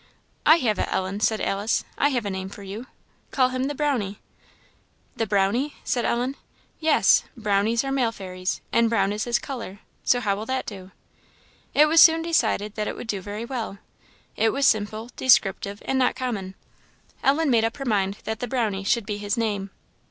"I have it, Ellen!" said Alice "I have a name for you call him the Brownie." " 'The Brownie?' " said Ellen. "Yes brownies are male fairies; and brown is his colour; so how will that do?" It was soon decided that it would do very well. It was simple, descriptive, and not common: Ellen made up her mind that 'The Brownie' should be his name.